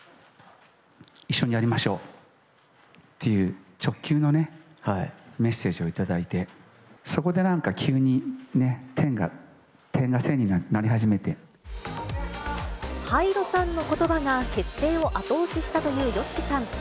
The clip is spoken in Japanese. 一緒にやりましょうっていう、直球のね、メッセージを頂いて、そこでなんか急に、ＨＹＤＥさんのことばが結成を後押ししたというＹＯＳＨＩＫＩさん。